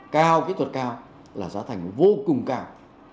cao kỹ thuật cao là giá thành vô cùng cao